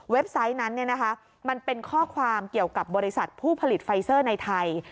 ไซต์นั้นมันเป็นข้อความเกี่ยวกับบริษัทผู้ผลิตไฟเซอร์ในไทย